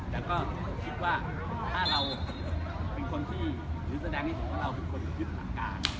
แล้วก็คิดว่าถ้าเราเป็นคนที่หรือแสดงให้เห็นว่าเราเป็นคนยึดหลักการ